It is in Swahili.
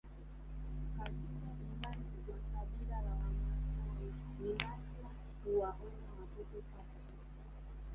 Katika imani za kabila la Wamaasai ni nadra kuwaona watoto pacha